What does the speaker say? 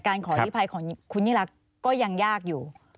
ขออธิภัยของคุณยิ่งรักก็ยังยากอยู่